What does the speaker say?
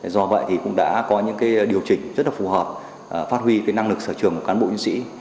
do vậy thì cũng đã có những điều chỉnh rất là phù hợp phát huy cái năng lực sở trường của cán bộ nhân sĩ